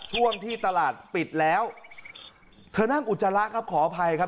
ช่วงที่ตลาดปิดแล้วเธอนั่งอุจจาระครับขออภัยครับ